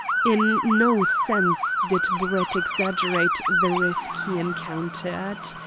In no sense did Brett exaggerate the risk he encountered.